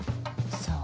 さあ。